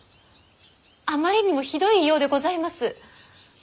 あまりにもひどい言いようでございます。